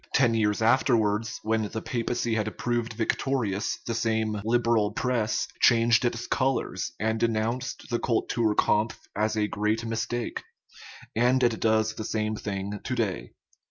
Ten years afterwards, when the papacy had proved victorious, the same " Liberal press " changed its colors, and denounced the cultur kampf as a great mistake; and it does the same thing to day.